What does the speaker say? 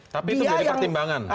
tapi itu dari pertimbangan